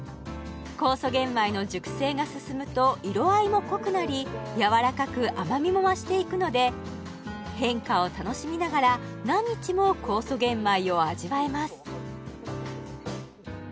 酵素玄米の熟成が進むと色合いも濃くなりやわらかく甘みも増していくので変化を楽しみながら何日も酵素玄米を味わえます